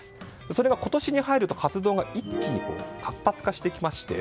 それが今年に入ると活動が一気に活発化してきまして。